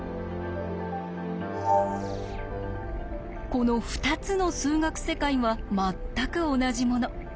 この２つの数学世界は全く同じもの。